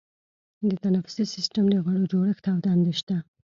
د تنفسي سیستم د غړو جوړښت او دندې شته.